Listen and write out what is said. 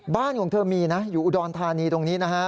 บ้านของเธอมีนะอยู่อุดรธานีตรงนี้นะฮะ